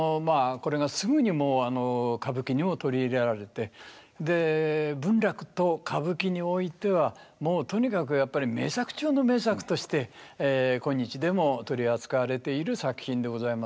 これがすぐにもう歌舞伎にも取り入れられてで文楽と歌舞伎においてはもうとにかくやっぱり名作中の名作として今日でも取り扱われている作品でございます。